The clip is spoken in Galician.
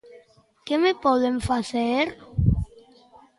Que me poden facer?